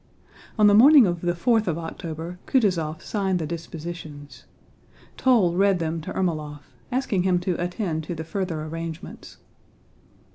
On the morning of the fourth of October Kutúzov signed the dispositions. Toll read them to Ermólov, asking him to attend to the further arrangements.